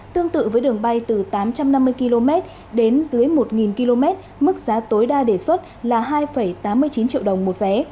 tương tự với đường bay từ tám trăm năm mươi km đến dưới một km mức giá tối đa đề xuất là hai tám mươi chín triệu đồng một vé